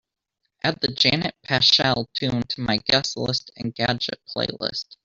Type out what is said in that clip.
Add the Janet Paschal tune to my guest list engadget playlist.